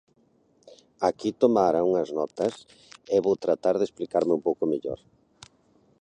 Aquí tomara unhas notas, e vou tratar de explicarme un pouco mellor.